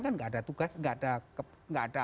kan nggak ada tugas nggak ada